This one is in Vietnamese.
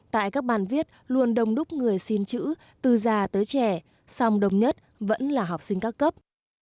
tại các bàn viết luôn đông đúc người xin chữ từ già tới trẻ song đông nhất vẫn là học sinh các cấp